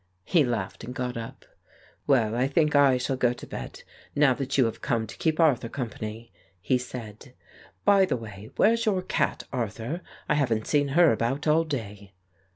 He laughed and got up. "Well, I think I shall go to bed now that you have come to keep Arthur company," he said. "By the way, where's your cat, Arthur ? I haven't seen her about all day."